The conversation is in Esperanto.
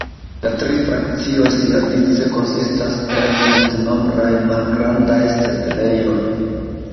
La tri frakcioj siavice konsistas el multnombraj malgrandaj setlejoj.